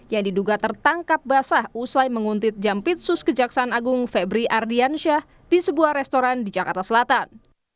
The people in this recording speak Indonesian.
yang diduga tertangkap basah usai menguntit jampitsus kejaksaan agung febri ardiansyah di sebuah restoran di jakarta selatan